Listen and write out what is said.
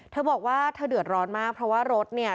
เธอบอกว่าเธอเดือดร้อนมากเพราะว่ารถเนี่ย